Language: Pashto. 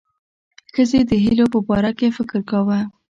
ښځې د هیلو په باره کې فکر کاوه.